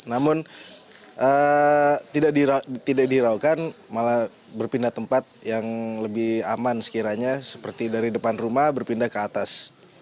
namun tidak diraukan malah berpindah tempat yang lebih aman sekiranya seperti dari depan rumah berpindah ke atas